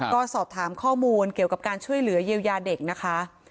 ก็สอบถามข้อมูลเกี่ยวกับการช่วยเหลือเยียวยาเด็กนะคะ